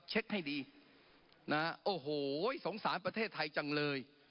ให้ดีนะโอ้โหสงสารประเทศไทยจังเลย